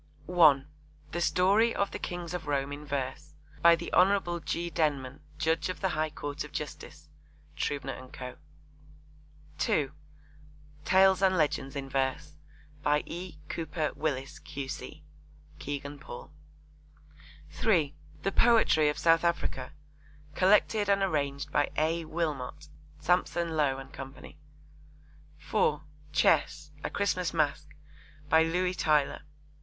(1) The Story of the Kings of Rome in Verse. By the Hon. G. Denman, Judge of the High Court of Justice. (Trubner and Co.) (2) Tales and Legends in Verse. By E. Cooper Willis, Q.C. (Kegan Paul.) (3) The Poetry of South Africa. Collected and arranged by A. Wilmot. (Sampson Low and Co.) (4) Chess. A Christmas Masque. By Louis Tylor.